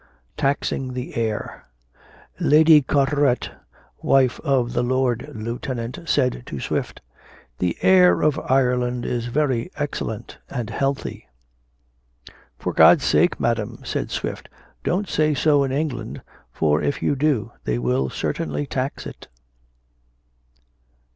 TAXING THE AIR. Lady Carteret, wife of the Lord Lieutenant, said to Swift, "The air of Ireland is very excellent and healthy." "For God's sake, madam," said Swift, "don't say so in England; for if you do, they will certainly tax it."